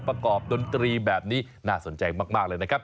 ประกอบดนตรีแบบนี้น่าสนใจมากเลยนะครับ